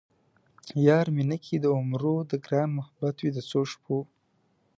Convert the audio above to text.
یار مې نه کئ د عمرو ـ د ګران محبت وئ د څو شپو